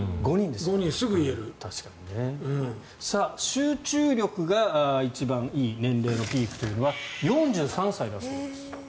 集中力が一番いい年齢のピークというのは４３歳だそうです。